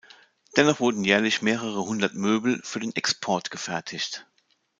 Dennoch wurden jährlich mehrere hundert Möbel für den Export gefertigt.